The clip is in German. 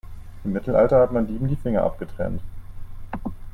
Im Mittelalter hat man Dieben die Finger abgetrennt.